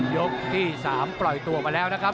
ยกที่๓ปล่อยตัวมาแล้วนะครับ